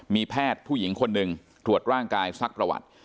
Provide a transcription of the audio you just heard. มีแพทย์ผู้หญิงคนหนึ่งตรวจร่างกายซักประวัติ